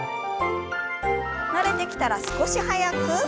慣れてきたら少し速く。